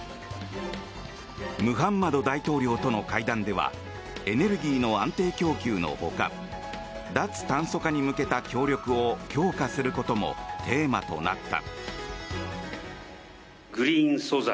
ムハンマド大統領との会談ではエネルギーの安定供給のほか脱炭素化に向けた協力を強化することもテーマとなった。